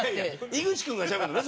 井口君がしゃべるのね？